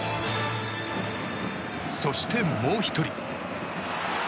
そして、もう１人。